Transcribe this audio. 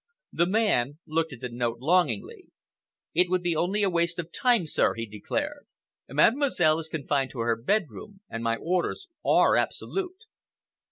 The man looked at the note longingly. "It would be only waste of time, sir," he declared. "Mademoiselle is confined to her bedroom and my orders are absolute."